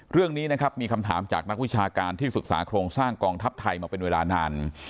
เรื่องนี้นะครับมีคำถามจากนักวิชาการที่ศึกษาโครงสร้างกองทัพไทยมาเป็นเวลานาน